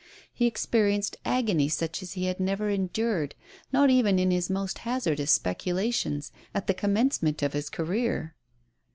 He experienced agony such as he had never endured, not even in his most hazardous speculations, at the commencement of his career.